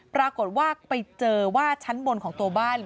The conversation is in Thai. ปรากฏว่าไปเจอว่าชั้นบนของตัวบ้าน